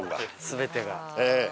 全てが。